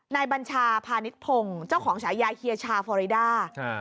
บัญชาพาณิชพงศ์เจ้าของฉายาเฮียชาฟอริดา